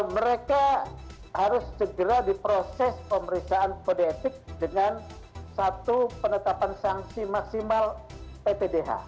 mereka harus segera diproses pemeriksaan kode etik dengan satu penetapan sanksi maksimal ppdh